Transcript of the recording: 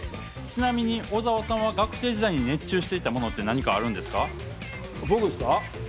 ちなみに小澤さんは学生時代に熱中していたものって何かあるんですか？